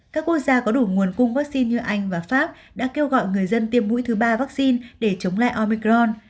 các quốc gia có đủ nguồn cung vaccine như anh và pháp đã kêu gọi người dân tiêm mũi thứ ba vaccine để chống lại omicron